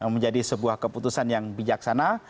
menjadi sebuah keputusan yang bijaksana